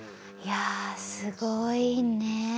いやすごいね。